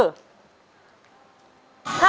ไม่ออกไปเลย